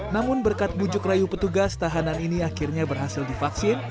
namun berkat bujuk rayu petugas tahanan ini akhirnya berhasil divaksin